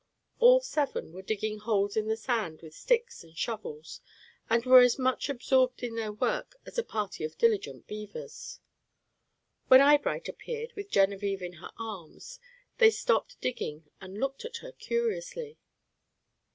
All seven were digging holes in the sand with sticks and shovels, and were as much absorbed in their work as a party of diligent beavers. When Eyebright appeared, with Genevieve in her arms, they stopped digging and looked at her curiously.